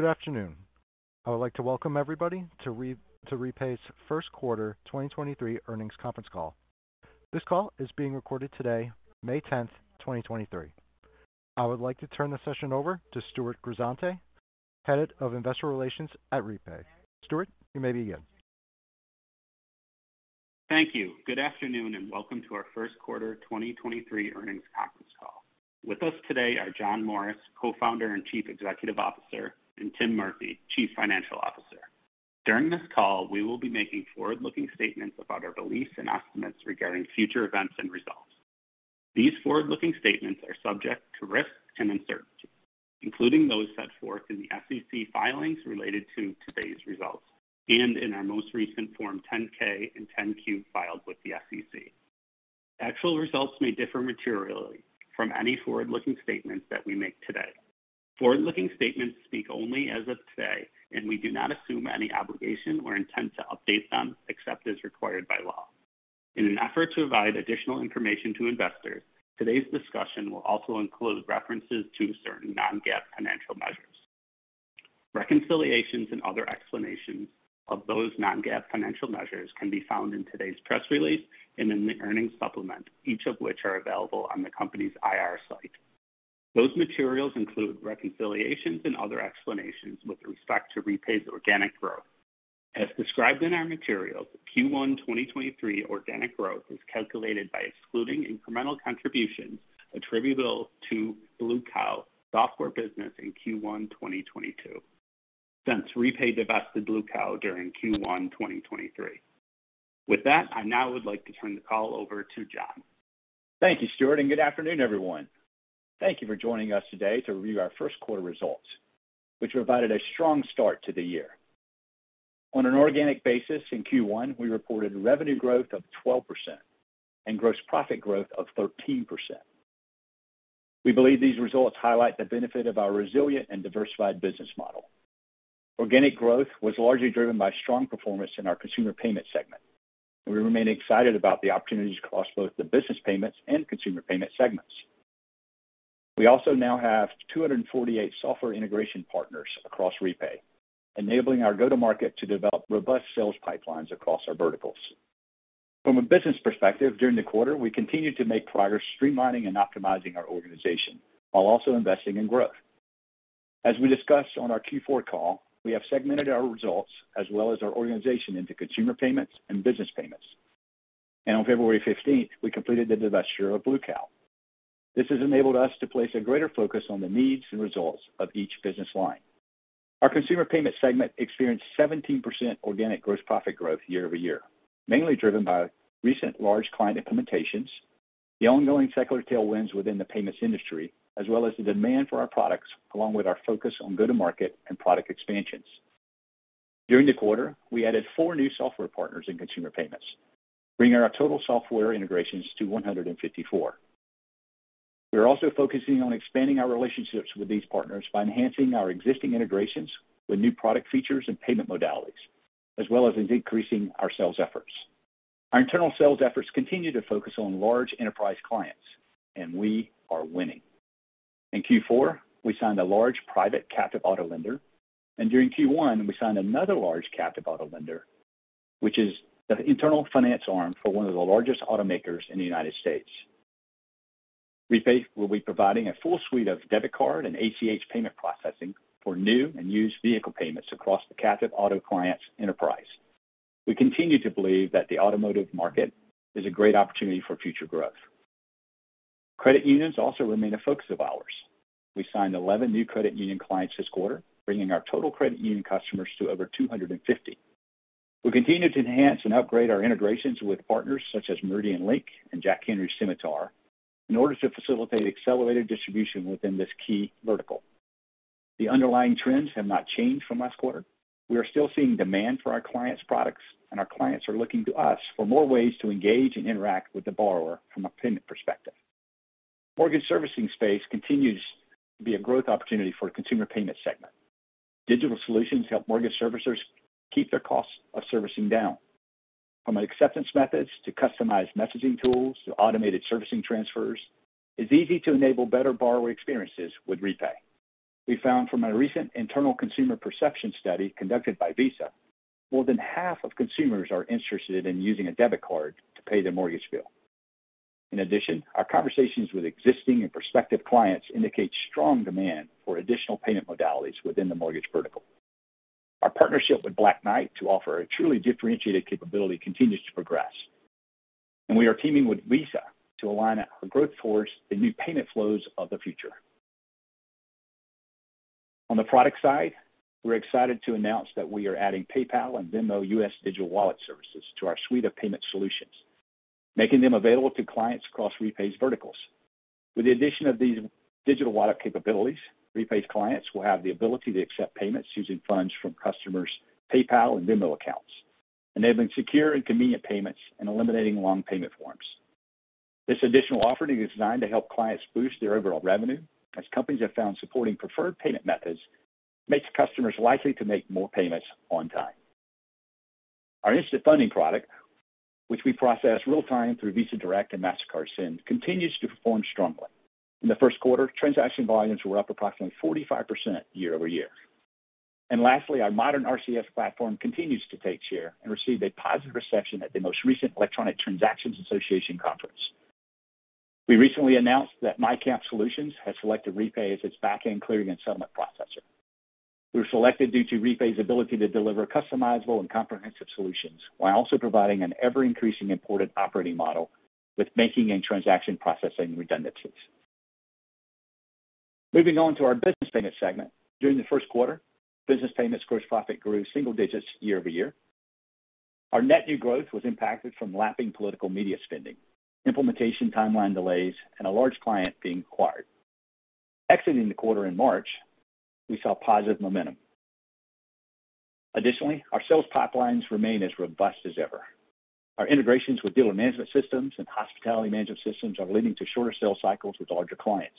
Good afternoon. I would like to welcome everybody to REPAY's Q1 2023 earnings conference call. This call is being recorded today, May 10, 2023. I would like to turn the session over to Stewart Grisante, Head of Investor Relations at REPAY. Stewart, you may begin. Thank you. Good afternoon, welcome to our Q1 2023 earnings conference call. With us today are John Morris, Co-Founder and Chief Executive Officer, and Tim Murphy, Chief Financial Officer. During this call, we will be making forward-looking statements about our beliefs and estimates regarding future events and results. These forward-looking statements are subject to risks and uncertainties, including those set forth in the SEC filings related to today's results and in our most recent form 10-K and 10-Q filed with the SEC. Actual results may differ materially from any forward-looking statements that we make today. Forward-looking statements speak only as of today, we do not assume any obligation or intent to update them except as required by law. In an effort to provide additional information to investors, today's discussion will also include references to certain non-GAAP financial measures. Reconciliations and other explanations of those non-GAAP financial measures can be found in today's press release and in the earnings supplement, each of which are available on the company's IR site. Those materials include reconciliations and other explanations with respect to REPAY's organic growth. As described in our materials, Q1 2023 organic growth is calculated by excluding incremental contributions attributable to Blue Cow software business in Q1 2022 since REPAY divested Blue Cow during Q1 2023. I now would like to turn the call over to John. Thank you, Stewart. Good afternoon, everyone. Thank you for joining us today to review our Q1 results, which provided a strong start to the year. On an organic basis in Q1, we reported revenue growth of 12% and gross profit growth of 13%. We believe these results highlight the benefit of our resilient and diversified business model. Organic growth was largely driven by strong performance in our consumer payment segment. We remain excited about the opportunities across both the business payments and consumer payment segments. We also now have 248 software integration partners across REPAY, enabling our go-to-market to develop robust sales pipelines across our verticals. From a business perspective, during the quarter, we continued to make progress streamlining and optimizing our organization while also investing in growth. As we discussed on our Q4 call, we have segmented our results as well as our organization into consumer payments and business payments. On February 15th, we completed the divestiture of Blue Cow. This has enabled us to place a greater focus on the needs and results of each business line. Our consumer payment segment experienced 17% organic gross profit growth year-over-year, mainly driven by recent large client implementations, the ongoing secular tailwinds within the payments industry, as well as the demand for our products, along with our focus on go-to-market and product expansions. During the quarter, we added four new software partners in consumer payments, bringing our total software integrations to 154. We are also focusing on expanding our relationships with these partners by enhancing our existing integrations with new product features and payment modalities, as well as increasing our sales efforts. Our internal sales efforts continue to focus on large enterprise clients, and we are winning. In Q4, we signed a large private captive auto lender, and during Q1 we signed another large captive auto lender, which is the internal finance arm for one of the largest automakers in the United States. REPAY will be providing a full suite of debit card and ACH payment processing for new and used vehicle payments across the captive auto clients enterprise. We continue to believe that the automotive market is a great opportunity for future growth. Credit unions also remain a focus of ours. We signed 11 new credit union clients this quarter, bringing our total credit union customers to over 250. We continue to enhance and upgrade our integrations with partners such as MeridianLink and Jack Henry & Associates in order to facilitate accelerated distribution within this key vertical. The underlying trends have not changed from last quarter. We are still seeing demand for our clients' products, and our clients are looking to us for more ways to engage and interact with the borrower from a payment perspective. Mortgage servicing space continues to be a growth opportunity for consumer payment segment. Digital solutions help mortgage servicers keep their costs of servicing down. From acceptance methods to customized messaging tools to automated servicing transfers, it's easy to enable better borrower experiences with REPAY. We found from a recent internal consumer perception study conducted by Visa, more than half of consumers are interested in using a debit card to pay their mortgage bill. In addition, our conversations with existing and prospective clients indicate strong demand for additional payment modalities within the mortgage vertical. Our partnership with Black Knight to offer a truly differentiated capability continues to progress, and we are teaming with Visa to align our growth towards the new payment flows of the future. On the product side, we're excited to announce that we are adding PayPal and Venmo US Digital Wallet services to our suite of payment solutions, making them available to clients across REPAY's verticals. With the addition of these digital wallet capabilities, REPAY's clients will have the ability to accept payments using funds from customers' PayPal and Venmo accounts, enabling secure and convenient payments and eliminating long payment forms. This additional offering is designed to help clients boost their overall revenue, as companies have found supporting preferred payment methods makes customers likely to make more payments on time. Our Instant Funding product, which we process real-time through Visa Direct and Mastercard Send, continues to perform strongly. In the Q1, transaction volumes were up approximately 45% year-over-year. Lastly, our modern RCS platform continues to take share and received a positive reception at the most recent Electronic Transactions Association conference. We recently announced that MiCamp Solutions has selected REPAY as its back-end clearing and settlement processor. We were selected due to REPAY's ability to deliver customizable and comprehensive solutions while also providing an ever-increasing important operating model with making and transaction processing redundancies. Moving on to our business payments segment. During the Q1, business payments gross profit grew single digits year-over-year. Our net new growth was impacted from lapping political media spending, implementation timeline delays, and a large client being acquired. Exiting the quarter in March, we saw positive momentum. Additionally, our sales pipelines remain as robust as ever. Our integrations with dealer management systems and hospitality management systems are leading to shorter sales cycles with larger clients.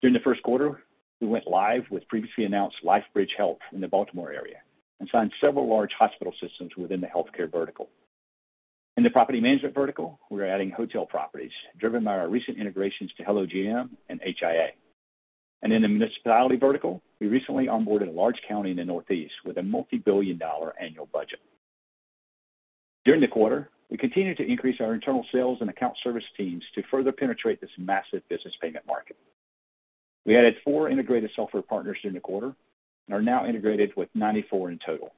During the Q1, we went live with previously announced LifeBridge Health in the Baltimore area and signed several large hospital systems within the healthcare vertical. In the property management vertical, we're adding hotel properties driven by our recent integrations to HelloGM and HIA. In the municipality vertical, we recently onboarded a large county in the Northeast with a multi-billion dollar annual budget. During the quarter, we continued to increase our internal sales and account service teams to further penetrate this massive business payment market. We added four integrated software partners during the quarter and are now integrated with 94 in total.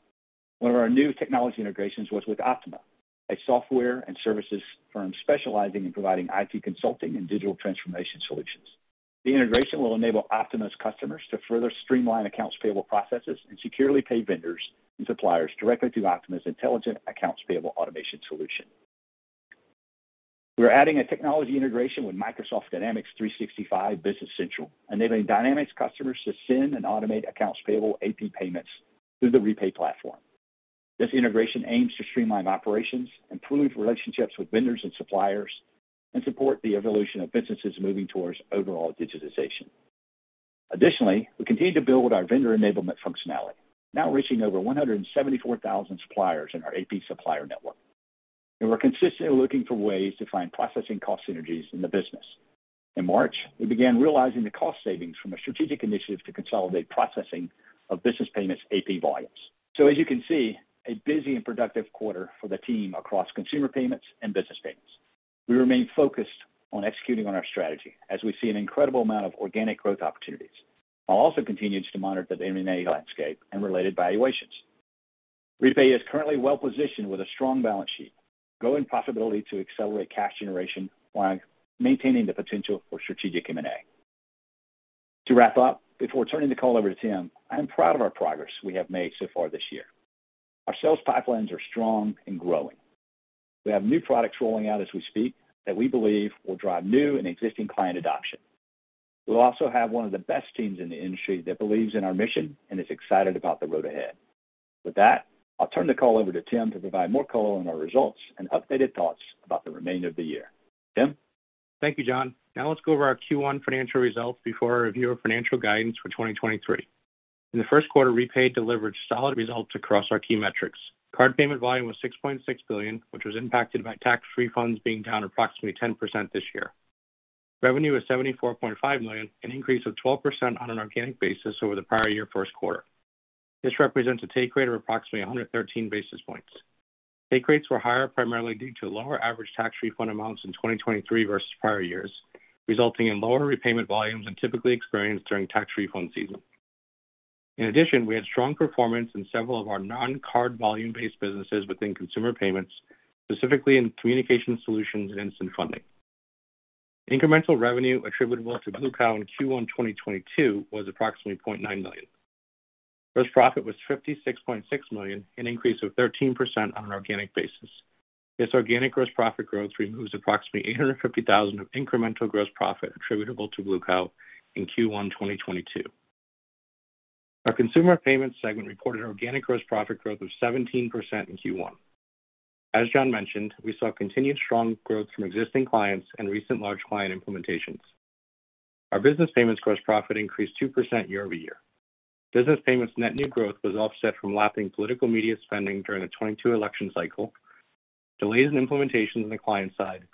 One of our new technology integrations was with Optima, a software and services firm specializing in providing IT consulting and digital transformation solutions. The integration will enable Optima's customers to further streamline accounts payable processes and securely pay vendors and suppliers directly through Optima's intelligent accounts payable automation solution. We're adding a technology integration with Microsoft Dynamics 365 Business Central, enabling Dynamics customers to send and automate accounts payable AP payments through the REPAY platform. This integration aims to streamline operations, improve relationships with vendors and suppliers, and support the evolution of businesses moving towards overall digitization. Additionally, we continue to build with our vendor enablement functionality, now reaching over 174,000 suppliers in our AP supplier network. We're consistently looking for ways to find processing cost synergies in the business. In March, we began realizing the cost savings from a strategic initiative to consolidate processing of business payments AP volumes. As you can see, a busy and productive quarter for the team across consumer payments and business payments. We remain focused on executing on our strategy as we see an incredible amount of organic growth opportunities while also continuing to monitor the M&A landscape and related valuations. REPAY is currently well-positioned with a strong balance sheet, growing possibility to accelerate cash generation while maintaining the potential for strategic M&A. To wrap up, before turning the call over to Tim, I am proud of our progress we have made so far this year. Our sales pipelines are strong and growing. We have new products rolling out as we speak that we believe will drive new and existing client adoption. We'll also have one of the best teams in the industry that believes in our mission and is excited about the road ahead. With that, I'll turn the call over to Tim to provide more color on our results and updated thoughts about the remainder of the year. Tim? Thank you, Jon. Let's go over our Q1 financial results before our review of financial guidance for 2023. In the Q1, REPAY delivered solid results across our key metrics. Card payment volume was $6.6 billion, which was impacted by tax refunds being down approximately 10% this year. Revenue was $74.5 million, an increase of 12% on an organic basis over the prior year Q1. This represents a take rate of approximately 113 basis points. Take rates were higher primarily due to lower average tax refund amounts in 2023 versus prior years, resulting in lower repayment volumes than typically experienced during tax refund season. We had strong performance in several of our non-card volume-based businesses within consumer payments, specifically in Communication Solutions and Instant Funding. Incremental revenue attributable to Blue Cow in Q1 2022 was approximately $0.9 million. Gross profit was $56.6 million, an increase of 13% on an organic basis. This organic gross profit growth removes approximately $850,000 of incremental gross profit attributable to Blue Cow in Q1 2022. Our consumer payments segment reported organic gross profit growth of 17% in Q1. As Jon mentioned, we saw continued strong growth from existing clients and recent large client implementations. Our business payments gross profit increased 2% year-over-year. Business payments net new growth was offset from lapping political media spending during the 2022 election cycle, delays in implementation on the client side,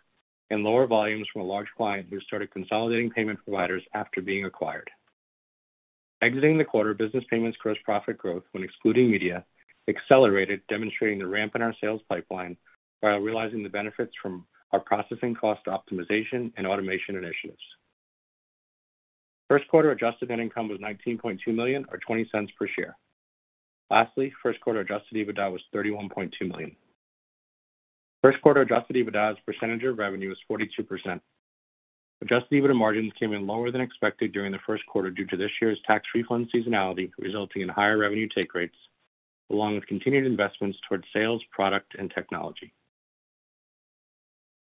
and lower volumes from a large client who started consolidating payment providers after being acquired. Exiting the quarter, business payments gross profit growth when excluding media accelerated, demonstrating the ramp in our sales pipeline while realizing the benefits from our processing cost optimization and automation initiatives. Q1 Adjusted Net Income was $19.2 million or $0.20 per share. Lastly, Q1 Adjusted EBITDA was $31.2 million. Q1 Adjusted EBITDA's percentage of revenue was 42%. Adjusted EBITDA margins came in lower than expected during the Q1 due to this year's tax refund seasonality, resulting in higher revenue take rates along with continued investments towards sales, product, and technology.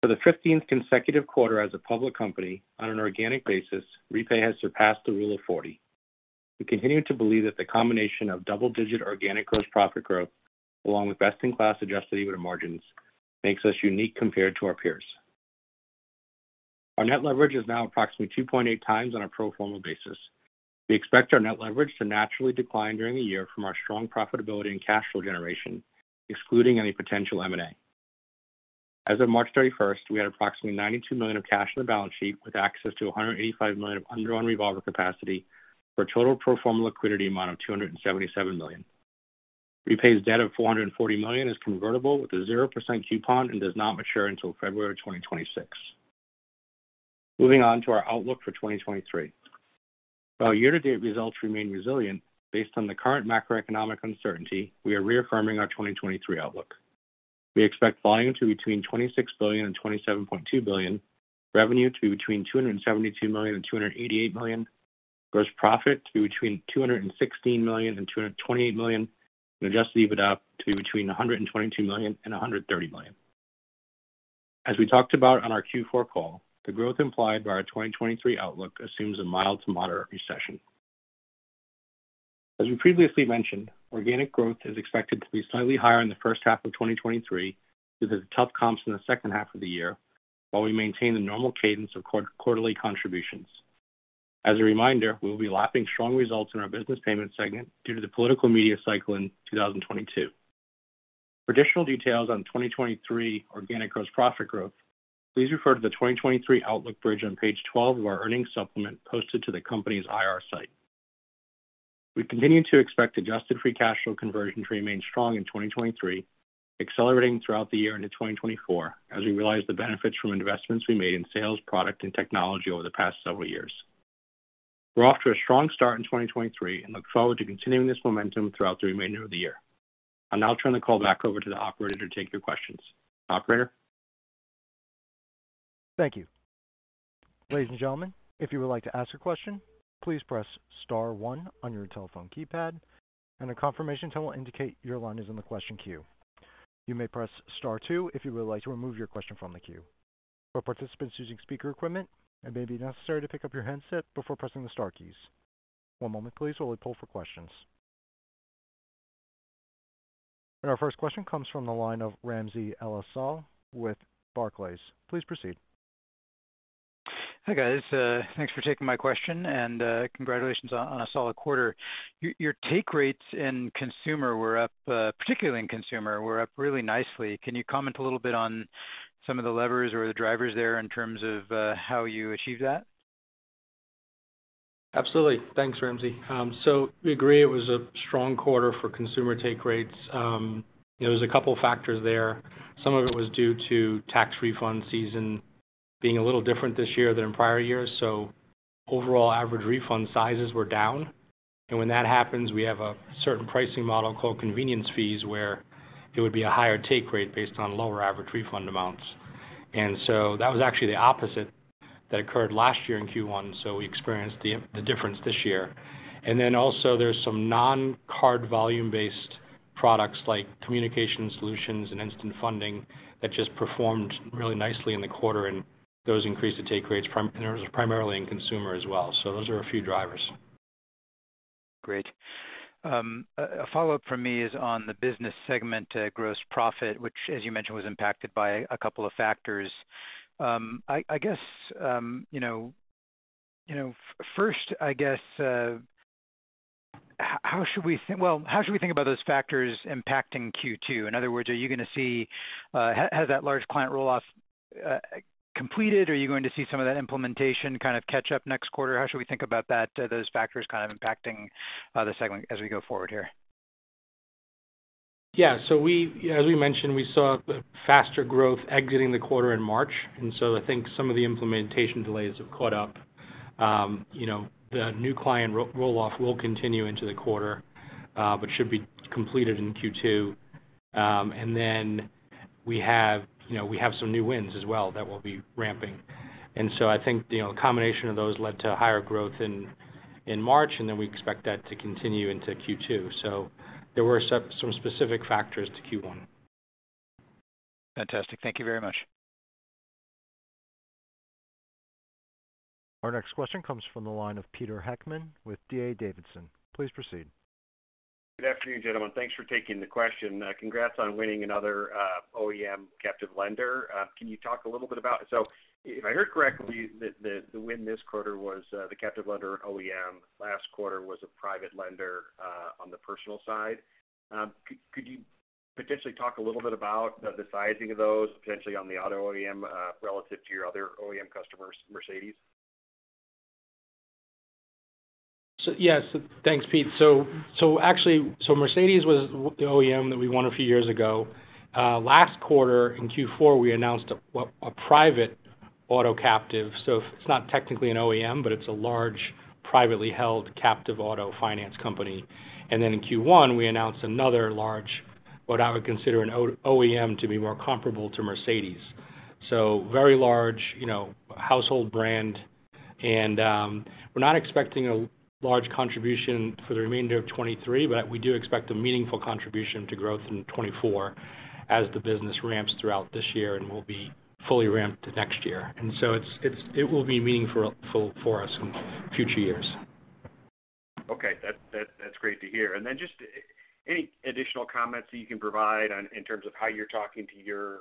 For the fifteenth consecutive quarter as a public company, on an organic basis, REPAY has surpassed the Rule of 40. We continue to believe that the combination of double-digit organic gross profit growth, along with best-in-class Adjusted EBITDA margins, makes us unique compared to our peers. Our net leverage is now approximately 2.8x on a pro forma basis. We expect our net leverage to naturally decline during the year from our strong profitability and cash flow generation, excluding any potential M&A. As of March 31st, we had approximately $92 million of cash on the balance sheet with access to $185 million of undrawn revolver capacity for a total pro forma liquidity amount of $277 million. REPAY's debt of $440 million is convertible with a 0% coupon and does not mature until February 2026. Moving on to our outlook for 2023. While year-to-date results remain resilient based on the current macroeconomic uncertainty, we are reaffirming our 2023 outlook. We expect volume to be between $26 billion and $27.2 billion, revenue to be between $272 million and $288 million, gross profit to be between $216 million and $228 million, and Adjusted EBITDA to be between $122 million and $130 million. As we talked about on our Q4 call, the growth implied by our 2023 outlook assumes a mild to moderate recession. As we previously mentioned, organic growth is expected to be slightly higher in the H1 of 2023 due to the tough comps in the H2 of the year, while we maintain the normal cadence of quarterly contributions. As a reminder, we'll be lapping strong results in our business payment segment due to the political media cycle in 2022. For additional details on 2023 organic gross profit growth, please refer to the 2023 outlook bridge on page 12 of our earnings supplement posted to the company's IR site. We continue to expect adjusted free cash flow conversion to remain strong in 2023, accelerating throughout the year into 2024 as we realize the benefits from investments we made in sales, product, and technology over the past several years. We're off to a strong start in 2023 and look forward to continuing this momentum throughout the remainder of the year. I'll now turn the call back over to the operator to take your questions. Operator? Thank you. Ladies and gentlemen, if you would like to ask a question, please press star one on your telephone keypad and a confirmation tone will indicate your line is in the question queue. You may press star two if you would like to remove your question from the queue. For participants using speaker equipment, it may be necessary to pick up your handset before pressing the star keys. One moment please while we poll for questions. Our first question comes from the line of Ramsey El-Assal with Barclays. Please proceed. Hi, guys. thanks for taking my question and congratulations on a solid quarter. Your take rates in consumer were up, particularly in consumer, were up really nicely. Can you comment a little bit on some of the levers or the drivers there in terms of how you achieved that? Absolutely. Thanks, Ramsey. We agree it was a strong quarter for consumer take rates. There was a couple factors there. Some of it was due to tax refund season being a little different this year than in prior years. Overall average refund sizes were down. When that happens, we have a certain pricing model called convenience fees, where it would be a higher take rate based on lower average refund amounts. That was actually the opposite that occurred last year in Q1. We experienced the difference this year. Also there's some non-card volume-based products like Communication Solutions and Instant Funding that just performed really nicely in the quarter, and those increased the take rates and it was primarily in consumer as well. Those are a few drivers. Great. A follow-up from me is on the business segment gross profit, which as you mentioned, was impacted by a couple of factors. I guess, you know, first, I guess, how should we think about those factors impacting Q2? In other words, has that large client roll-off completed? Are you going to see some of that implementation kind of catch up next quarter? How should we think about that, those factors kind of impacting the segment as we go forward here? We, as we mentioned, we saw faster growth exiting the quarter in March. I think some of the implementation delays have caught up. You know, the new client roll-off will continue into the quarter, but should be completed in Q2. Then we have, you know, we have some new wins as well that we'll be ramping. I think, you know, a combination of those led to higher growth in March, and then we expect that to continue into Q2. There were some specific factors to Q1. Fantastic. Thank you very much. Our next question comes from the line of Peter Heckmann with D.A. Davidson. Please proceed. Good afternoon, gentlemen. Thanks for taking the question. Congrats on winning another OEM captive lender. Can you talk a little bit about... So if I heard correctly, the win this quarter was the captive lender OEM. Last quarter was a private lender on the personal side. Could you potentially talk a little bit about the sizing of those, potentially on the auto OEM, relative to your other OEM customers, Mercedes-Benz? Yes. Thanks, Pete. Actually, Mercedes-Benz was the OEM that we won a few years ago. Last quarter, in Q4, we announced a private auto captive. It's not technically an OEM, but it's a large, privately held captive auto finance company. In Q1, we announced another large, what I would consider an OEM, to be more comparable to Mercedes-Benz. Very large, you know, household brand. We're not expecting a large contribution for the remainder of 2023, but we do expect a meaningful contribution to growth in 2024 as the business ramps throughout this year and will be fully ramped next year. It will be meaningful for us in future years. Okay, that's great to hear. Then just any additional comments that you can provide on, in terms of how you're talking to your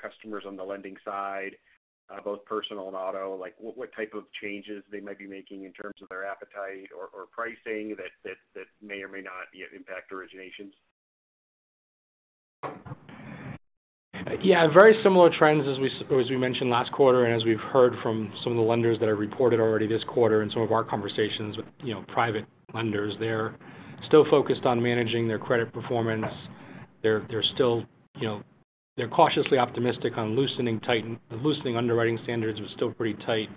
customers on the lending side, both personal and auto. Like, what type of changes they might be making in terms of their appetite or pricing that may or may not impact originations? Very similar trends as we or as we mentioned last quarter, and as we've heard from some of the lenders that have reported already this quarter and some of our conversations with, you know, private lenders. They're still focused on managing their credit performance. They're still, you know, they're cautiously optimistic on loosening underwriting standards, but still pretty tight,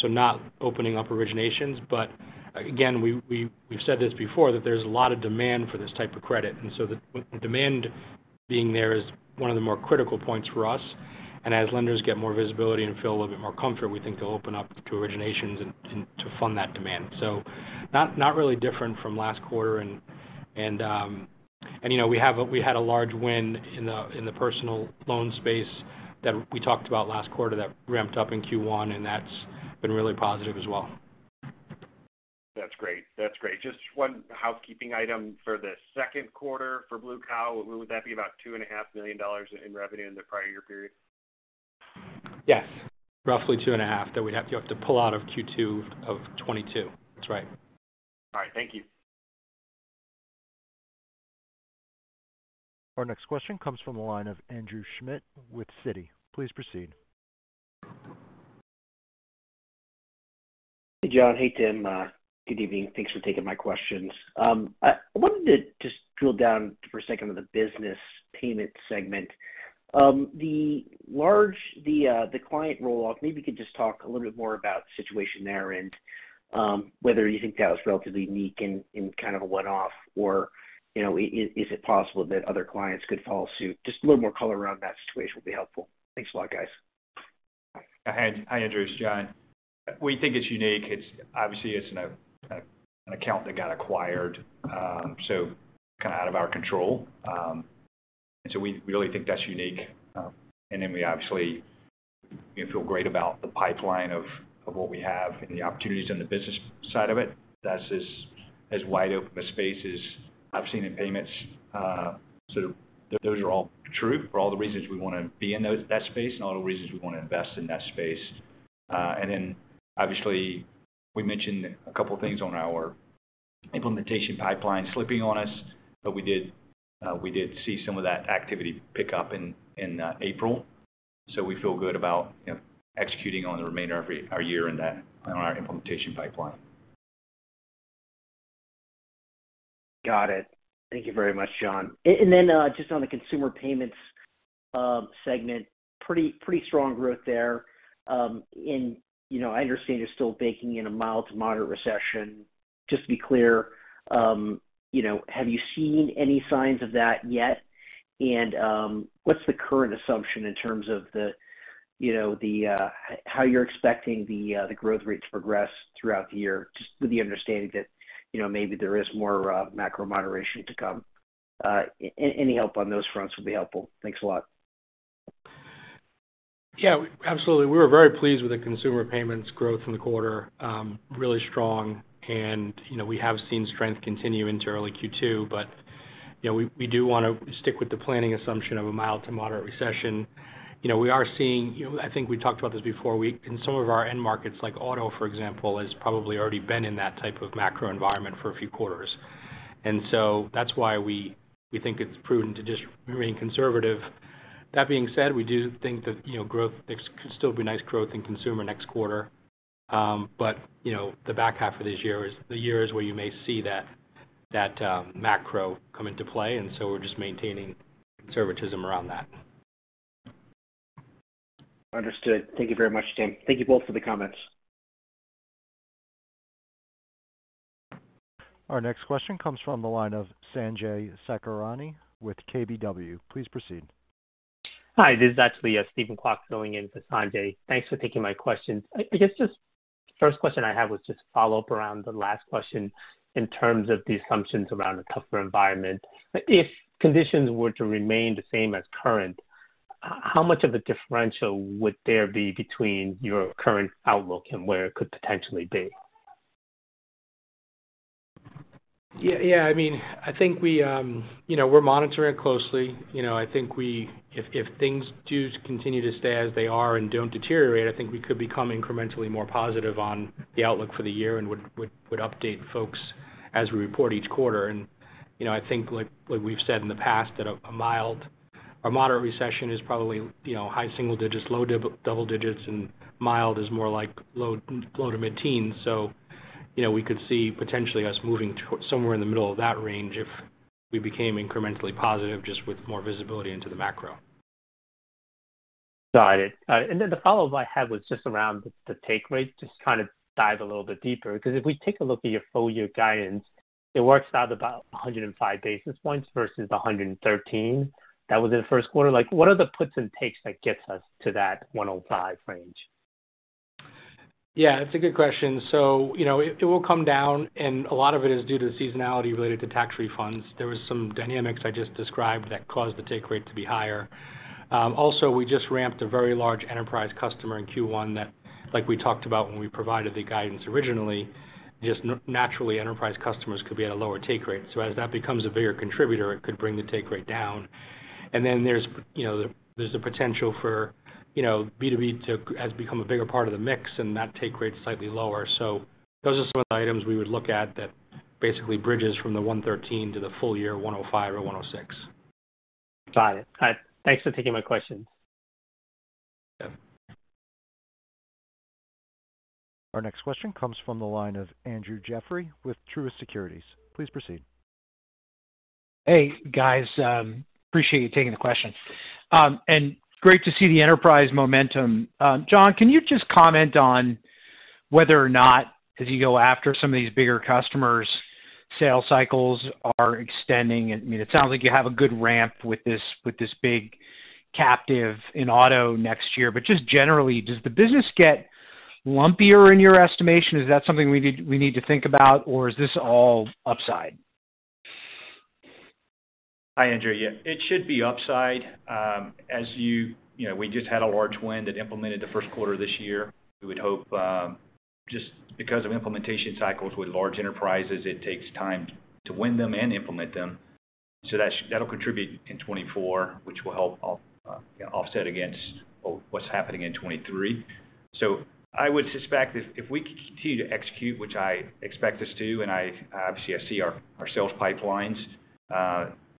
so not opening up originations. Again, we've said this before, that there's a lot of demand for this type of credit. The demand being there is one of the more critical points for us. As lenders get more visibility and feel a little bit more comfort, we think they'll open up to originations and to fund that demand. Not really different from last quarter. You know, we had a large win in the, in the personal loan space that we talked about last quarter that ramped up in Q1, and that's been really positive as well. That's great. That's great. Just one housekeeping item. For the Q2 for Blue Cow, would that be about two and a half million dollars in revenue in the prior year period? Yes. Roughly $2.5 that you'd have to pull out of Q2 of 2022. That's right. All right. Thank you. Our next question comes from the line of Andrew Schmidt with Citi. Please proceed. Hey, John. Hey, Tim. Good evening. Thanks for taking my questions. I wanted to just drill down for a second on the business payments segment. The client roll-off, maybe you could just talk a little bit more about the situation there and whether you think that was relatively unique and kind of a one-off or, you know, is it possible that other clients could follow suit? Just a little more color around that situation would be helpful. Thanks a lot, guys. Hi, Andrew. It's John. We think it's unique. Obviously, it's an account that got acquired, kind of out of our control. We really think that's unique. We obviously, you know, feel great about the pipeline of what we have and the opportunities in the business side of it. That's as wide open a space as I've seen in payments. Those are all true for all the reasons we wanna be in that space and all the reasons we wanna invest in that space. Obviously, we mentioned a couple things on our implementation pipeline slipping on us, but we did see some of that activity pick up in April. We feel good about, you know, executing on the remainder of our year in that, on our implementation pipeline. Got it. Thank you very much, John. Just on the consumer payments segment, pretty strong growth there. You know, I understand you're still baking in a mild to moderate recession. Just to be clear, you know, have you seen any signs of that yet? What's the current assumption in terms of the, you know, the how you're expecting the growth rates to progress throughout the year, just with the understanding that, you know, maybe there is more macro moderation to come? Any help on those fronts would be helpful. Thanks a lot. Yeah, absolutely. We're very pleased with the consumer payments growth in the quarter. Really strong. You know, we have seen strength continue into early Q2. You know, we do wanna stick with the planning assumption of a mild to moderate recession. You know, we are seeing, you know, I think we talked about this before, in some of our end markets, like auto, for example, has probably already been in that type of macro environment for a few quarters. That's why we think it's prudent to just remain conservative. That being said, we do think that, you know, growth, there could still be nice growth in consumer next quarter. You know, the back half of this year is where you may see that macro come into play, so we're just maintaining conservatism around that. Understood. Thank you very much, Tim. Thank you both for the comments. Our next question comes from the line of Sanjay Sakhrani with KBW. Please proceed. Hi, this is actually Steven Kwok filling in for Sanjay. Thanks for taking my questions. I guess just first question I have was just follow up around the last question in terms of the assumptions around a tougher environment. If conditions were to remain the same as current, how much of a differential would there be between your current outlook and where it could potentially be? Yeah, yeah. I mean, I think we, you know, we're monitoring it closely. You know, I think we if things do continue to stay as they are and don't deteriorate, I think we could become incrementally more positive on the outlook for the year and would update folks as we report each quarter. You know, I think, like we've said in the past, that a mild or moderate recession is probably, you know, high single digits, low double digits, and mild is more like low to mid-teen. You know, we could see potentially us moving to somewhere in the middle of that range if we became incrementally positive, just with more visibility into the macro. Got it. The follow-up I had was just around the take rate. Just kind of dive a little bit deeper, 'cause if we take a look at your full year guidance, it works out about 105 basis points versus the 113 that was in the Q1. Like, what are the puts and takes that gets us to that 105 range? Yeah, it's a good question. You know, it will come down, and a lot of it is due to seasonality related to tax refunds. There was some dynamics I just described that caused the take rate to be higher. Also, we just ramped a very large enterprise customer in Q1 that. Like we talked about when we provided the guidance originally, just naturally, enterprise customers could be at a lower take rate. As that becomes a bigger contributor, it could bring the take rate down. There's, you know, there's the potential for, you know, B2B has become a bigger part of the mix and that take rate is slightly lower. Those are some of the items we would look at that basically bridges from the 1.13% to the full year 1.05% or 1.06%. Got it. All right. Thanks for taking my questions. Yeah. Our next question comes from the line of Andrew Jeffrey with Truist Securities. Please proceed. Hey, guys. Appreciate you taking the question. Great to see the enterprise momentum. John, can you just comment on whether or not as you go after some of these bigger customers, sales cycles are extending? I mean, it sounds like you have a good ramp with this big captive in auto next year. Just generally, does the business get lumpier in your estimation? Is that something we need to think about, or is this all upside? Hi, Andrew. Yeah, it should be upside. As you know, we just had a large win that implemented the Q1 this year. We would hope, just because of implementation cycles with large enterprises, it takes time to win them and implement them. That'll contribute in 2024, which will help offset against what's happening in 2023. I would suspect if we continue to execute, which I expect us to, and I obviously see our sales pipelines,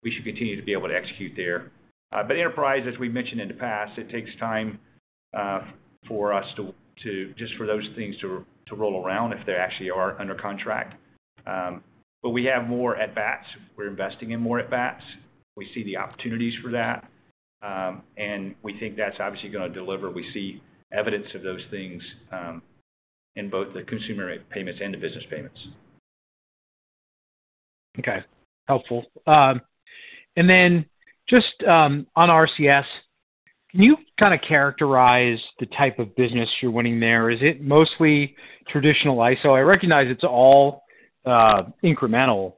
we should continue to be able to execute there. But enterprise, as we mentioned in the past, it takes time for us to just for those things to roll around if they actually are under contract. But we have more at bats. We're investing in more at bats. We see the opportunities for that, and we think that's obviously gonna deliver. We see evidence of those things, in both the consumer payments and the business payments. Okay. Helpful. Then just on RCS, can you kinda characterize the type of business you're winning there? Is it mostly traditional ISO? I recognize it's all incremental,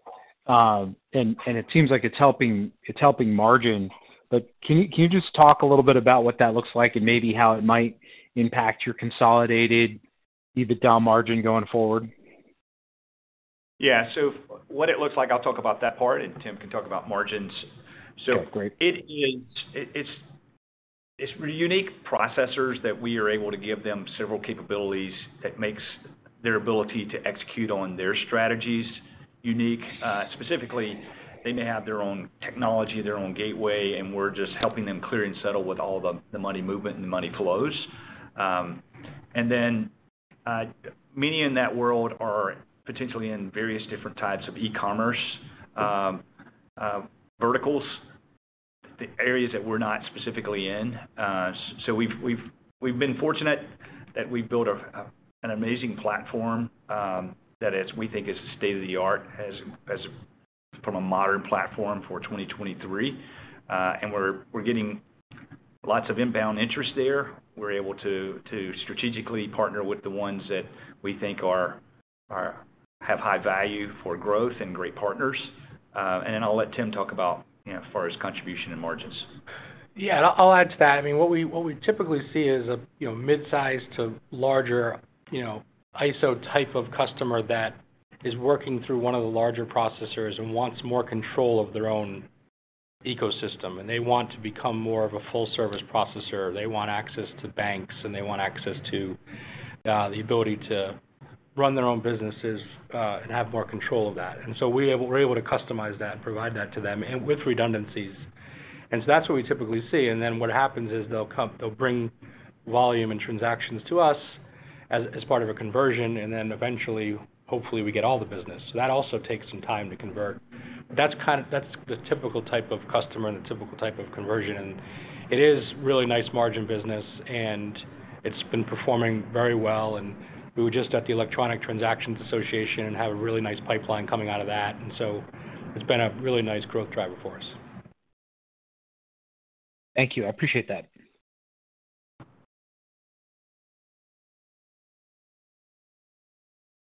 and it seems like it's helping margin. Can you just talk a little bit about what that looks like and maybe how it might impact your consolidated EBITDA margin going forward? Yeah. What it looks like, I'll talk about that part, and Tim can talk about margins. Okay, great. It's unique processors that we are able to give them several capabilities that makes their ability to execute on their strategies unique. Specifically, they may have their own technology, their own gateway, and we're just helping them clear and settle with all the money movement and the money flows. Many in that world are potentially in various different types of e-commerce verticals, the areas that we're not specifically in. We've been fortunate that we built an amazing platform that is, we think is state-of-the-art as from a modern platform for 2023. We're getting lots of inbound interest there. We're able to strategically partner with the ones that we think have high value for growth and great partners. Then I'll let Tim talk about, you know, as far as contribution and margins. Yeah. I'll add to that. I mean, what we typically see is, you know, midsize to larger, you know, ISO type of customer that is working through one of the larger processors and wants more control of their own ecosystem, and they want to become more of a full service processor. They want access to banks, and they want access to the ability to run their own businesses and have more control of that. We're able to customize that and provide that to them and with redundancies. That's what we typically see. What happens is they'll bring volume and transactions to us as part of a conversion, and then eventually, hopefully, we get all the business. That also takes some time to convert. That's the typical type of customer and the typical type of conversion. It is really nice margin business, and it's been performing very well. We were just at the Electronic Transactions Association and have a really nice pipeline coming out of that. It's been a really nice growth driver for us. Thank you. I appreciate that.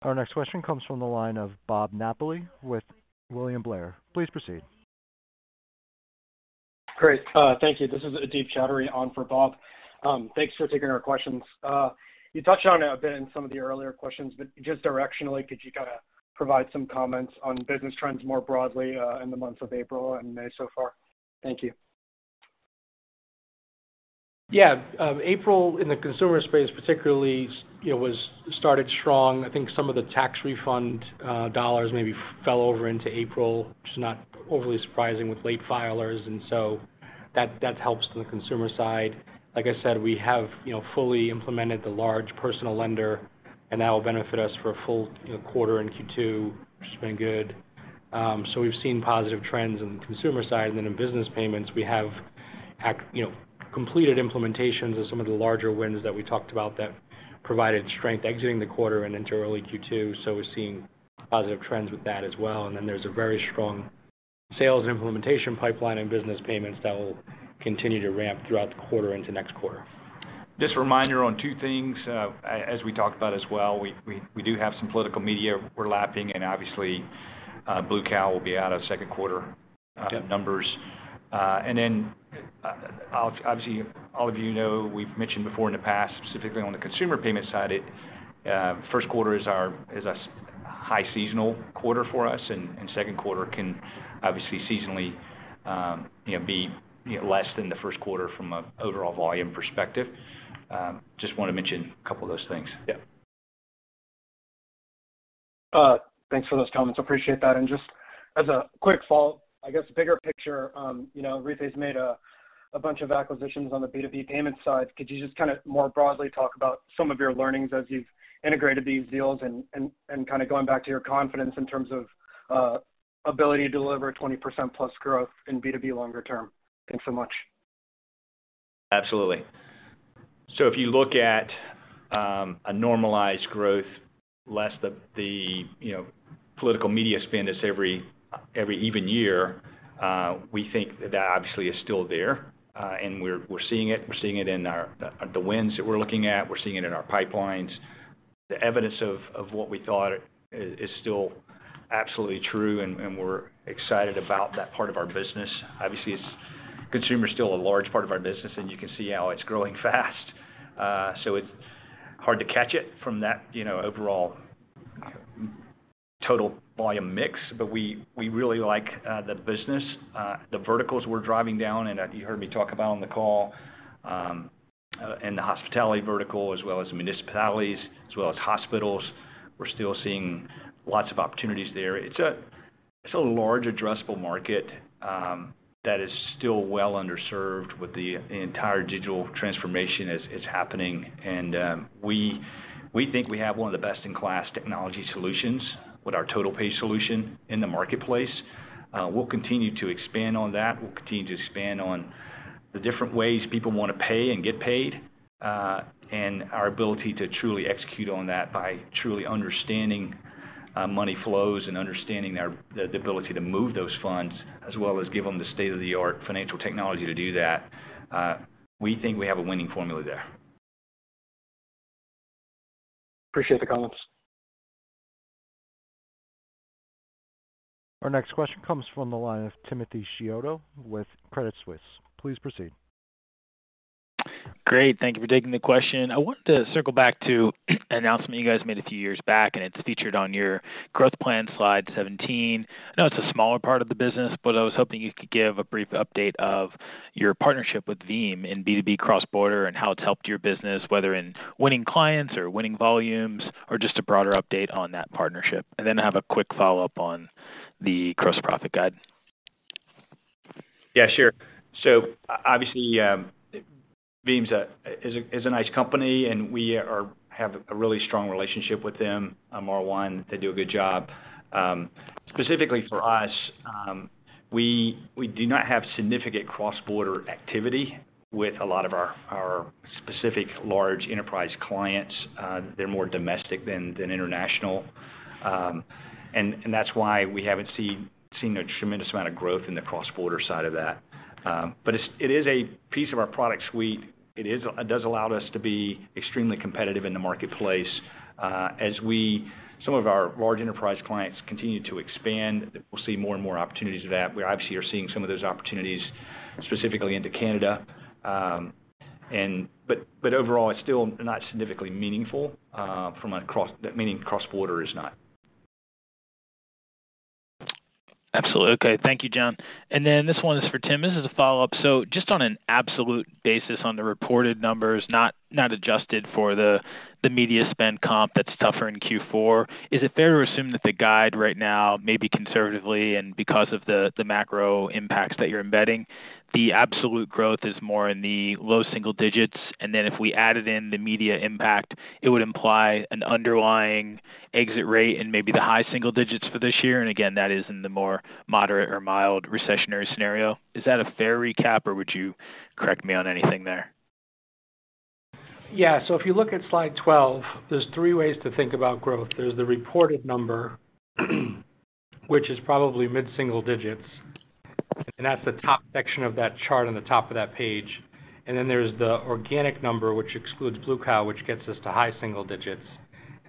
Our next question comes from the line of Bob Napoli with William Blair. Please proceed. Great. Thank you. This is Adib Choudhury on for Bob. Thanks for taking our questions. You touched on a bit in some of the earlier questions, but just directionally, could you kind of provide some comments on business trends more broadly, in the months of April and May so far? Thank you. Yeah. April in the consumer space, particularly, you know, was started strong. I think some of the tax refund dollars maybe fell over into April, which is not overly surprising with late filers, that helps the consumer side. Like I said, we have, you know, fully implemented the large personal lender, that will benefit us for a full, you know, quarter in Q2, which has been good. We've seen positive trends in the consumer side in business payments, we have, you know, completed implementations of some of the larger wins that we talked about that provided strength exiting the quarter and into early Q2. We're seeing positive trends with that as well. There's a very strong sales implementation pipeline and business payments that will continue to ramp throughout the quarter into next quarter. Just a reminder on two things. As we talked about as well, we do have some political media we're lapping, and obviously, Blue Cow will be out of Q2 numbers. Obviously all of you know, we've mentioned before in the past, specifically on the consumer payment side, it, Q1 is a high seasonal quarter for us, and Q2 can obviously seasonally, you know, be, you know, less than the Q1 from an overall volume perspective. Just wanna mention a couple of those things. Yeah. Thanks for those comments. Appreciate that. Just as a quick follow-up, I guess bigger picture, you know, Rithm has made a bunch of acquisitions on the B2B payment side. Could you just kinda more broadly talk about some of your learnings as you've integrated these deals and kinda going back to your confidence in terms of ability to deliver 20% plus growth in B2B longer term? Thanks so much. Absolutely. If you look at a normalized growth less the, you know, political media spend this every even year, we think that that obviously is still there, and we're seeing it. We're seeing it in our the wins that we're looking at. We're seeing it in our pipelines. The evidence of what we thought is still absolutely true, and we're excited about that part of our business. Obviously, it's consumer is still a large part of our business, and you can see how it's growing fast. It's hard to catch it from that, you know, overall total volume mix. We really like the business, the verticals we're driving down, and that you heard me talk about on the call, and the hospitality vertical as well as municipalities as well as hospitals. We're still seeing lots of opportunities there. It's a large addressable market, that is still well underserved with the entire digital transformation as is happening. We, we think we have one of the best-in-class technology solutions with our TotalPay solution in the marketplace. We'll continue to expand on that. We'll continue to expand on the different ways people wanna pay and get paid, and our ability to truly execute on that by truly understanding money flows and understanding the ability to move those funds as well as give them the state-of-the-art financial technology to do that. We think we have a winning formula there. Appreciate the comments. Our next question comes from the line of Timothy Chiodo with Credit Suisse. Please proceed. Great. Thank you for taking the question. I want to circle back to an announcement you guys made a few years back, and it's featured on your growth plan, slide 17. I know it's a smaller part of the business, but I was hoping you could give a brief update of your partnership with Veem in B2B cross-border and how it's helped your business, whether in winning clients or winning volumes, or just a broader update on that partnership. Then I have a quick follow-up on the gross profit guide. Yeah, sure. Obviously, Veem's a nice company, and we have a really strong relationship with them. They do a good job. Specifically for us, we do not have significant cross-border activity with a lot of our specific large enterprise clients. They're more domestic than international. That's why we haven't seen a tremendous amount of growth in the cross-border side of that. It is a piece of our product suite. It does allow us to be extremely competitive in the marketplace. As some of our large enterprise clients continue to expand, we'll see more and more opportunities of that. We obviously are seeing some of those opportunities specifically into Canada. Overall, it's still not significantly meaningful, from a cross-border is not. Absolutely. Okay. Thank you, John. This one is for Tim. This is a follow-up. Just on an absolute basis on the reported numbers, not adjusted for the media spend comp that's tougher in Q4, is it fair to assume that the guide right now may be conservatively and because of the macro impacts that you're embedding, the absolute growth is more in the low single digits, and then if we added in the media impact, it would imply an underlying exit rate and maybe the high single digits for this year? Again, that is in the more moderate or mild recessionary scenario. Is that a fair recap, or would you correct me on anything there? Yeah. If you look at slide 12, there's three ways to think about growth. There's the reported number, which is probably mid single digits, and that's the top section of that chart on the top of that page. There's the organic number, which excludes Blue Cow, which gets us to high single digits.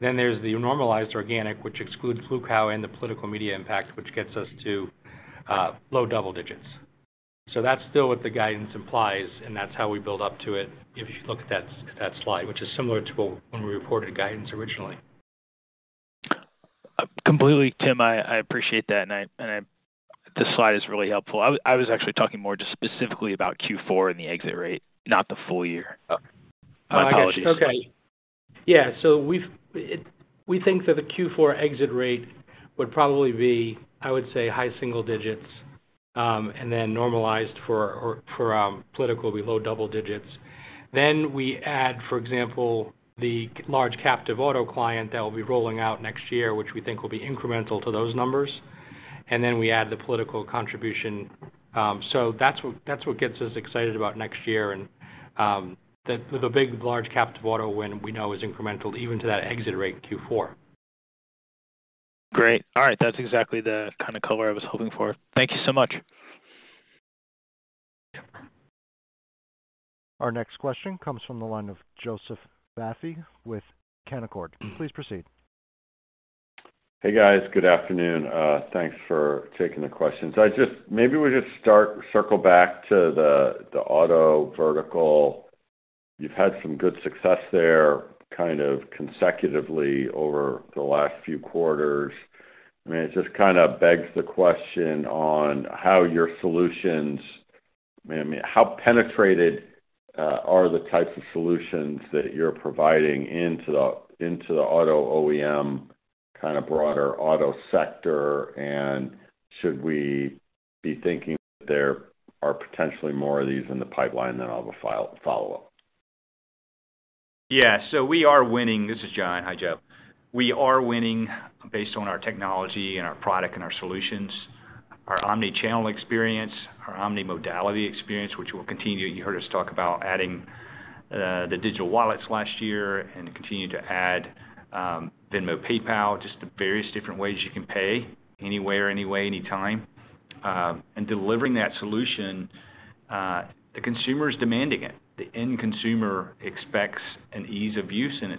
There's the normalized organic, which excludes Blue Cow and the political media impact, which gets us to low double digits. That's still what the guidance implies, and that's how we build up to it if you look at that slide, which is similar to when we reported guidance originally. Completely, Tim. I appreciate that. I. The slide is really helpful. I was actually talking more just specifically about Q4 and the exit rate, not the full year. Oh, I got you. My apologies. Okay. Yeah. We think that the Q4 exit rate would probably be, I would say, high single digits, and then normalized for political below double digits. We add, for example, the large captive auto client that will be rolling out next year, which we think will be incremental to those numbers. We add the political contribution. That's what gets us excited about next year. The big large captive auto win we know is incremental even to that exit rate in Q4. Great. All right. That's exactly the kinda color I was hoping for. Thank you so much. Our next question comes from the line of Joseph Vafi with Canaccord. please proceed. Hey, guys. Good afternoon. Thanks for taking the questions. Maybe we just circle back to the auto vertical. You've had some good success there kind of consecutively over the last few quarters. I mean, it just kinda begs the question on how your solutions, I mean, how penetrated are the types of solutions that you're providing into the auto OEM, kinda broader auto sector, and should we be thinking that there are potentially more of these in the pipeline than on the follow-up? We are winning. This is John. Hi, Joseph Vafi. We are winning based on our technology and our product and our solutions. Our omni-channel experience, our omni-modality experience, which we'll continue. You heard us talk about adding the digital wallets last year and continue to add Venmo, PayPal, just the various different ways you can pay anywhere, any way, any time. Delivering that solution, the consumer is demanding it. The end consumer expects an ease of use and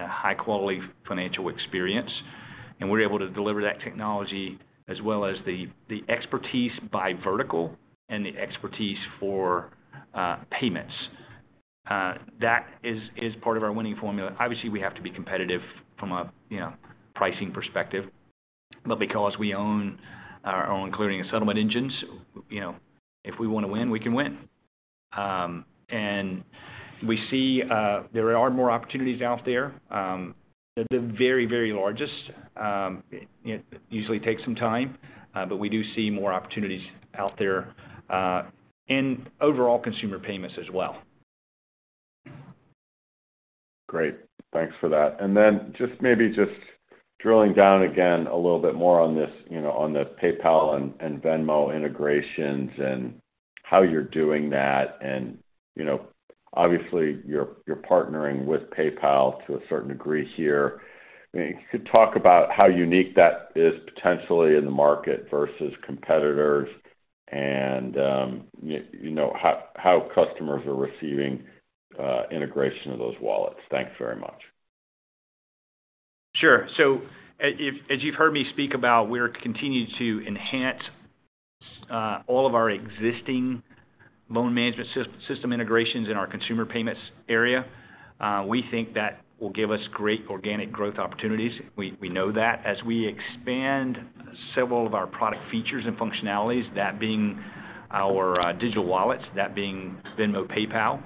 a high-quality financial experience, and we're able to deliver that technology as well as the expertise by vertical and the expertise for payments. That is part of our winning formula. Obviously, we have to be competitive from a, you know, pricing perspective. Because we own our own clearing and settlement engines, you know, if we wanna win, we can win. We see there are more opportunities out there. The, the very, very largest, it usually takes some time, but we do see more opportunities out there in overall consumer payments as well. Great. Thanks for that. Then just maybe just drilling down again a little bit more on this, you know, on the PayPal and Venmo integrations and how you're doing that. You know, obviously you're partnering with PayPal to a certain degree here. I mean, if you could talk about how unique that is potentially in the market versus competitors and, you know, how customers are receiving integration of those wallets. Thanks very much. Sure. As you've heard me speak about, we're continuing to enhance all of our existing loan management system integrations in our consumer payments area. We think that will give us great organic growth opportunities. We know that. As we expand several of our product features and functionalities, that being our digital wallets, that being Venmo, PayPal,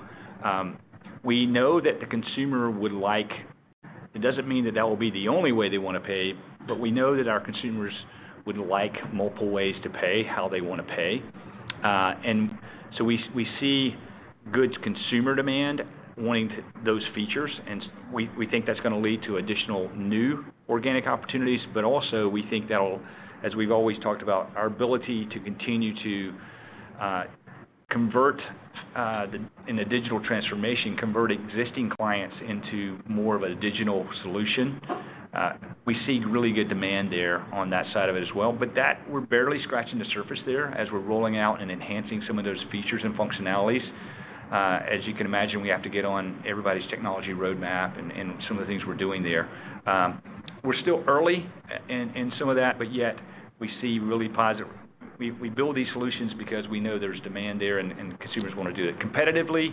it doesn't mean that that will be the only way they wanna pay, but we know that our consumers would like multiple ways to pay how they wanna pay. We see good consumer demand wanting those features, and we think that's gonna lead to additional new organic opportunities. Also we think that'll, as we've always talked about, our ability to continue to convert in a digital transformation, convert existing clients into more of a digital solution. We see really good demand there on that side of it as well. That, we're barely scratching the surface there as we're rolling out and enhancing some of those features and functionalities. As you can imagine, we have to get on everybody's technology roadmap and some of the things we're doing there. We're still early in some of that, but yet we see really positive. We build these solutions because we know there's demand there and consumers wanna do it competitively.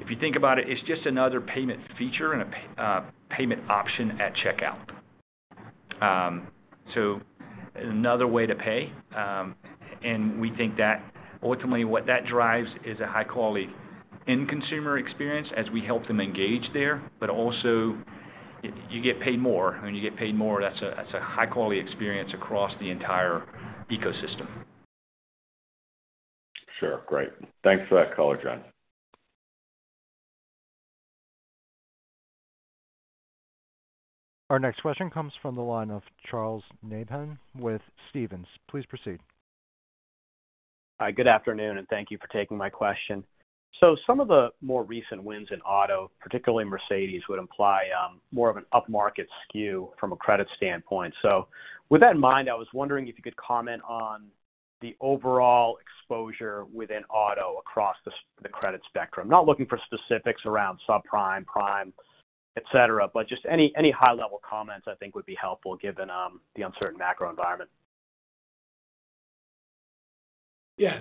If you think about it's just another payment feature and a payment option at checkout. Another way to pay. We think that ultimately what that drives is a high-quality end consumer experience as we help them engage there. Also you get paid more. When you get paid more, that's a high-quality experience across the entire ecosystem. Sure. Great. Thanks for that color, John. Our next question comes from the line of Charles Nabhan with Stephens. Please proceed. Hi, good afternoon, and thank you for taking my question. Some of the more recent wins in auto, particularly Mercedes-Benz, would imply more of an upmarket SKU from a credit standpoint. With that in mind, I was wondering if you could comment on the overall exposure within auto across the credit spectrum. Not looking for specifics around subprime, prime, et cetera, but just any high-level comments I think would be helpful given the uncertain macro environment. Yeah.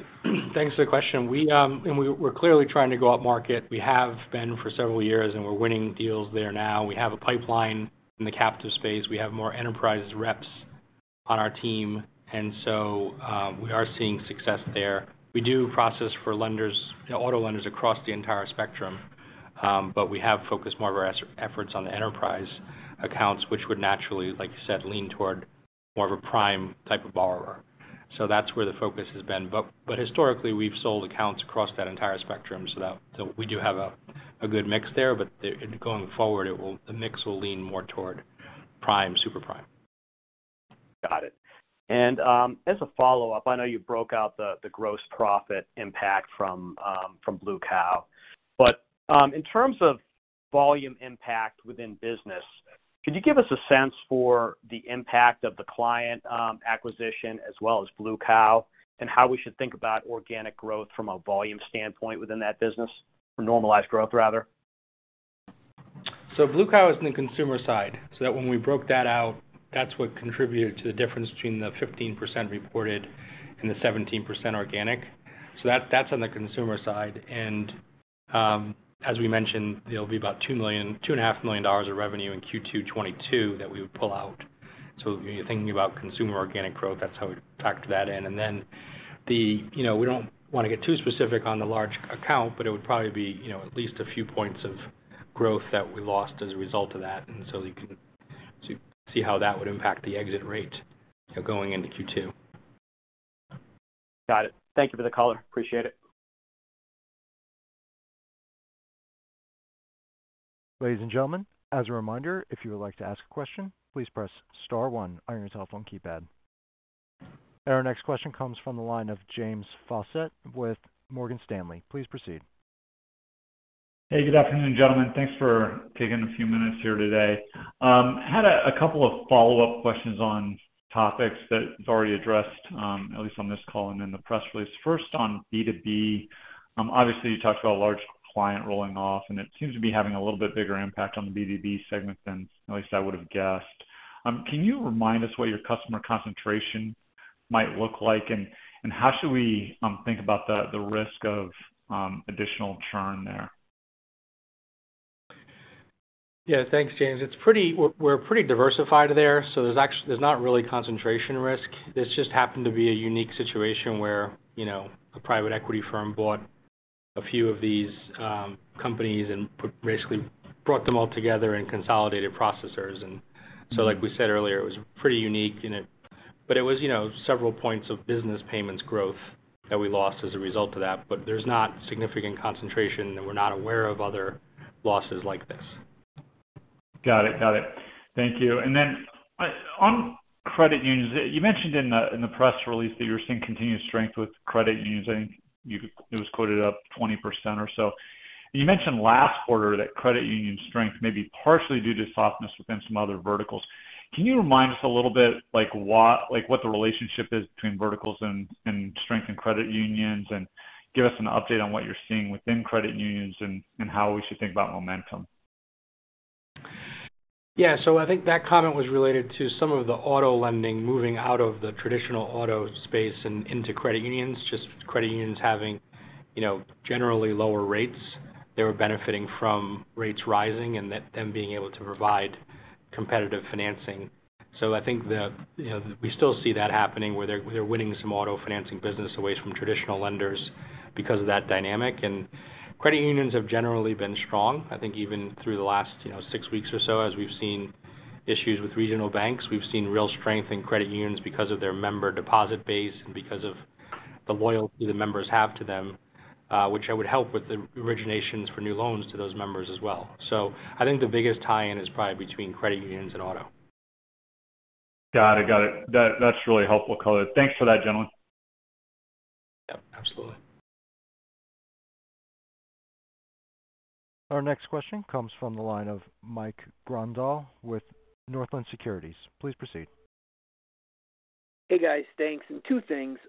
Thanks for the question. We're clearly trying to go upmarket. We have been for several years, and we're winning deals there now. We have a pipeline in the captive space. We have more enterprise reps on our team. We are seeing success there. We do process for lenders, auto lenders across the entire spectrum, but we have focused more of our efforts on the enterprise accounts, which would naturally, like you said, lean toward more of a prime type of borrower. That's where the focus has been. Historically, we've sold accounts across that entire spectrum, so we do have a good mix there. Going forward, the mix will lean more toward prime, super prime. Got it. As a follow-up, I know you broke out the gross profit impact from Blue Cow. In terms of volume impact within business, could you give us a sense for the impact of the client acquisition as well as Blue Cow, and how we should think about organic growth from a volume standpoint within that business, or normalized growth rather? Blue Cow is in the consumer side. That when we broke that out, that's what contributed to the difference between the 15% reported and the 17% organic. That's on the consumer side. As we mentioned, it'll be about $2.5 million of revenue in Q2 2022 that we would pull out. If you're thinking about consumer organic growth, that's how we factor that in. The, you know, we don't wanna get too specific on the large account, but it would probably be, you know, at least a few points of growth that we lost as a result of that. You can see how that would impact the exit rate going into Q2. Got it. Thank you for the color. Appreciate it. Ladies and gentlemen, as a reminder, if you would like to ask a question, please press star one on your telephone keypad. Our next question comes from the line of James Faucette with Morgan Stanley. Please proceed. Hey, good afternoon, gentlemen. Thanks for taking a few minutes here today. had a couple of follow-up questions on topics that was already addressed, at least on this call and in the press release. First on B2B. Obviously you talked about a large client rolling off, and it seems to be having a little bit bigger impact on the B2B segment than at least I would have guessed. Can you remind us what your customer concentration might look like? How should we think about the risk of additional churn there? Yeah. Thanks, James. We're pretty diversified there, so there's not really concentration risk. This just happened to be a unique situation where, you know, a private equity firm bought a few of these companies and basically brought them all together and consolidated processors. Like we said earlier, it was pretty unique. It was, you know, several points of business payments growth that we lost as a result of that. There's not significant concentration, and we're not aware of other losses like this. Got it. Got it. Thank you. On credit unions, you mentioned in the press release that you were seeing continued strength with credit unions. I think it was quoted up 20% or so. You mentioned last quarter that credit union strength may be partially due to softness within some other verticals. Can you remind us a little bit, like, what, like, what the relationship is between verticals and strength in credit unions, and give us an update on what you're seeing within credit unions and how we should think about momentum? Yeah. I think that comment was related to some of the auto lending moving out of the traditional auto space and into credit unions, just credit unions having, you know, generally lower rates. They were benefiting from rates rising and them being able to provide competitive financing. I think the, you know, we still see that happening, where they're winning some auto financing business away from traditional lenders because of that dynamic. Credit unions have generally been strong. I think even through the last, you know, six weeks or so, as we've seen issues with regional banks. We've seen real strength in credit unions because of their member deposit base and because of the loyalty the members have to them, which it would help with the originations for new loans to those members as well. I think the biggest tie-in is probably between credit unions and auto. Got it. That's really helpful color. Thanks for that, gentlemen. Yep, absolutely. Our next question comes from the line of Mike Grondahl with Northland Securities. Please proceed. Hey, guys. Thanks. two things.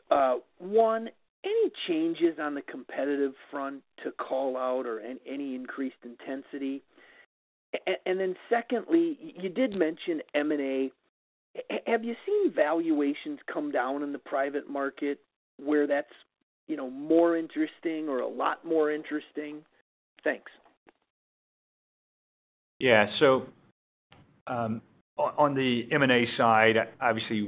one, any changes on the competitive front to call out or any increased intensity? Secondly, you did mention M&A. Have you seen valuations come down in the private market where that's, you know, more interesting or a lot more interesting? Thanks. On the M&A side, obviously,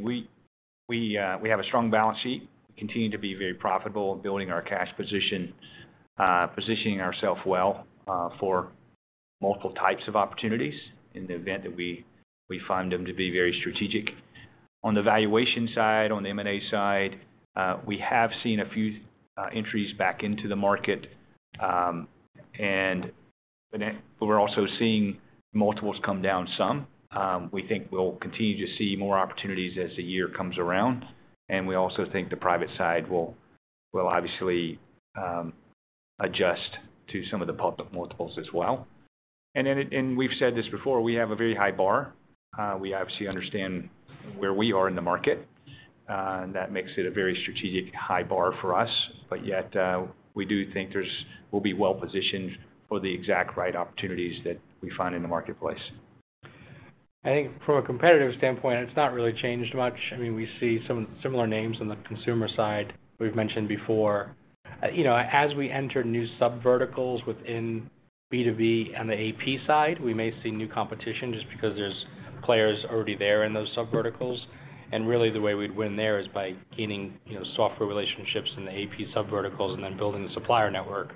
we have a strong balance sheet. We continue to be very profitable and building our cash position, positioning ourselves well, for multiple types of opportunities in the event that we find them to be very strategic. On the valuation side, on the M&A side, we have seen a few entries back into the market. We're also seeing multiples come down some. We think we'll continue to see more opportunities as the year comes around, we also think the private side will obviously adjust to some of the public multiples as well. We've said this before, we have a very high bar. We obviously understand where we are in the market, and that makes it a very strategic high bar for us. Yet, we do think we'll be well-positioned for the exact right opportunities that we find in the marketplace. I think from a competitive standpoint, it's not really changed much. I mean, we see some similar names on the consumer side we've mentioned before. You know, as we enter new subverticals within B2B and the AP side, we may see new competition just because there's players already there in those subverticals. Really, the way we'd win there is by gaining, you know, software relationships in the AP subverticals and then building the supplier network,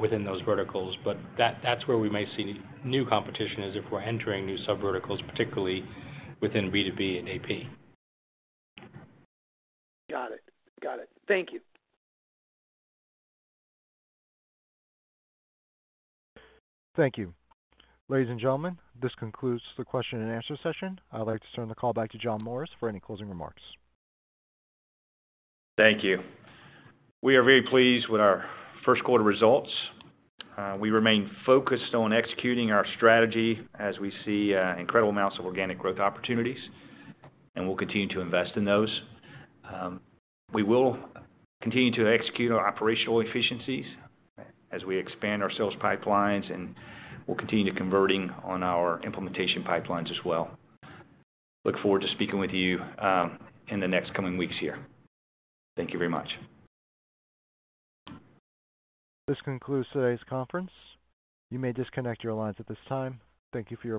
within those verticals. That, that's where we may see new competition is if we're entering new subverticals, particularly within B2B and AP. Got it. Got it. Thank you. Thank you. Ladies and gentlemen, this concludes the question and answer session. I'd like to turn the call back to John Morris for any closing remarks. Thank you. We are very pleased with our Q1 results. We remain focused on executing our strategy as we see incredible amounts of organic growth opportunities, and we'll continue to invest in those. We will continue to execute our operational efficiencies as we expand our sales pipelines, and we'll continue to converting on our implementation pipelines as well. Look forward to speaking with you in the next coming weeks here. Thank you very much. This concludes today's conference. You may disconnect your lines at this time. Thank you for your participation.